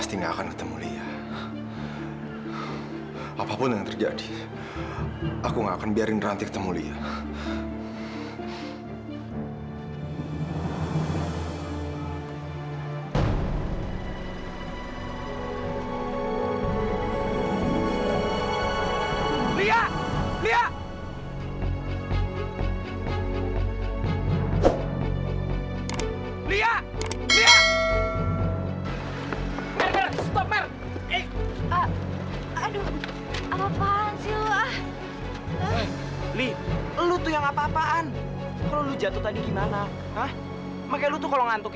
sampai jumpa di video selanjutnya